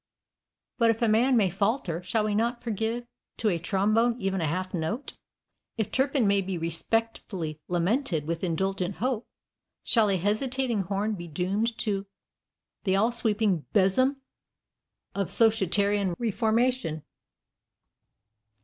But if a man may falter, shall we not forgive to a trombone even a half note? If Turpin may be respectfully lamented with indulgent hope, shall a hesitating horn be doomed to "the all sweeping besom of societarian reformation?"